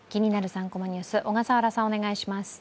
３コマニュース」、小笠原さん、お願いします。